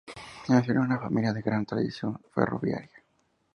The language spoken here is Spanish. Nació en una familia de gran tradición ferroviaria.